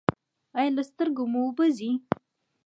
ایا له سترګو مو اوبه ځي؟